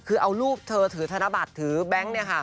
คือเอารูปเธอถือธนบัตรถือแบงค์